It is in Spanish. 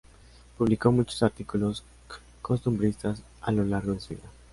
Publicó muchos artículos costumbristas a lo largo de su vida.